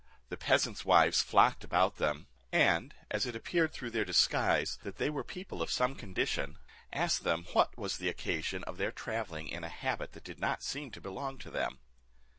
The peasants' wives flocked about them, and, as it appeared through their disguise that they were people of some condition, asked them what was the occasion of their travelling in a habit that did not seem to belong to them.